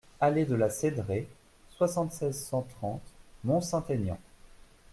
Allée de la Cédraie, soixante-seize, cent trente Mont-Saint-Aignan